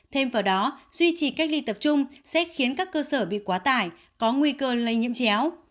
thêm vào đó duy trì cách ly tập trung sẽ khiến các cơ sở bị quá tải có nguy cơ lây nhiễm chéo